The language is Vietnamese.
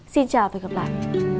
xin chào và hẹn gặp lại